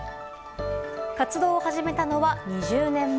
活動を始めたのは２０年前。